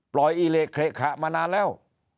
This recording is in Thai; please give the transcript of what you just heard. ปล่อยอีเละเคละขะมานานแล้ว